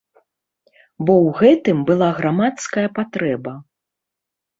Бо ў гэтым была грамадская патрэба.